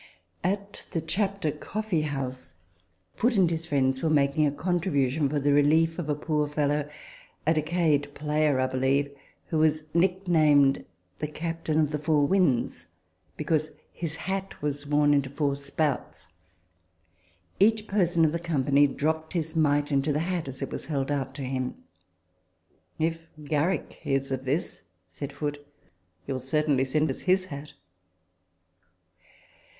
At the Chapter Coffee house, Foote and his friends were making a contribution for the relief of 64 RECOLLECTIONS OF THE a poor fellow (a decayed player, I believe), who was nicknamed the Captain of the Four Winds, because his hat was worn into four spouts. Each person of the company dropped his mite into the hat, as it was held out to him. " If Garrick hears of this," said Foote, " he will certainly send us his hat."